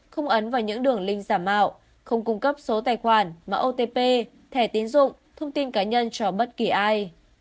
không ấn vào những đường link giả mạo không cung cấp số tài khoản mã otp thẻ tín dụng thông tin cá nhân cho bất kỳ ai